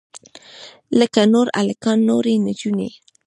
لکه نور هلکان نورې نجونې.